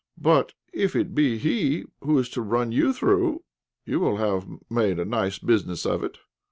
But if it be he who is to run you through, you will have made a nice business of it.